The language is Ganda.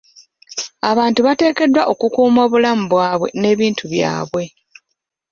Abantu bateekeddwa okukuuma obulamu bwabwe n'ebintu byabwe.